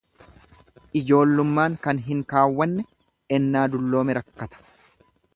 ljoollummaan kan hin keewwanne ennaa dulloome rakkata.